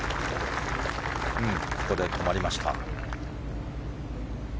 ここで止まりました。